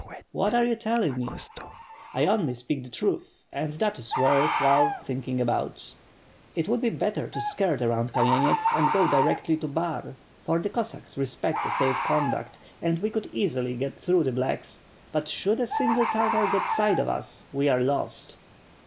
"What are you telling me?" "I only speak the truth, and that is worth while thinking about. It would be better to skirt around Kamenets and go directly to Bar for the Cossacks respect a safe conduct and we could easily get through the Slacks,' but should a single Tartar get sight of us we are lost.